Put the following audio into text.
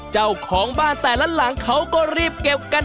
เจ้าของบ้านแต่ละหลังเขาก็รีบเก็บกัน